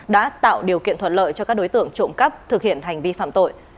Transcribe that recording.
đã tạo điều kiện thuận lợi cho các đối tượng trộm cắp thực hiện hành vi phạm tội